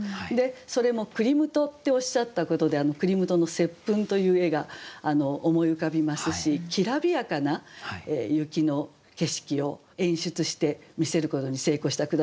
それも「クリムト」っておっしゃったことでクリムトの「接吻」という絵が思い浮かびますしきらびやかな雪の景色を演出してみせることに成功した句だと思います。